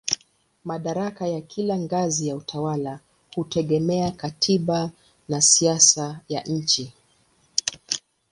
Madaraka ya kila ngazi ya utawala hutegemea katiba na siasa ya nchi.